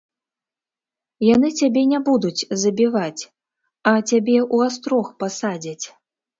Яны цябе не будуць забіваць, а цябе ў астрог пасадзяць.